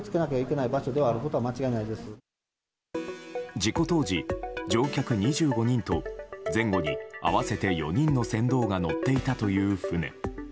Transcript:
事故当時、乗客２５人と前後に合わせて４人の船頭が乗っていたという船。